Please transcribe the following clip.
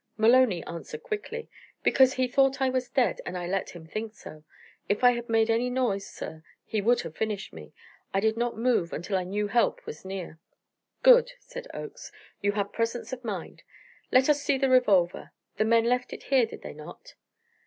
Maloney answered quickly: "Because he thought I was dead, and I let him think so. If I had made any noise, sir, he would have finished me. I did not move until I knew help was near." "Good!" said Oakes; "you had presence of mind. Let us see the revolver; the men left it here, did they not?"